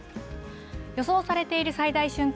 予想されている最大瞬間